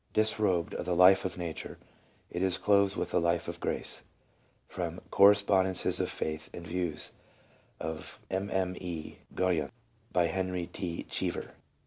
Disrobed of the life of nature, it is clothed with the life of grace. — From " Correspondences of Faith and Views of Mme. Guyon," by Henry T. Cheever.